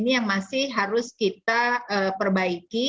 ini yang masih harus kita perbaiki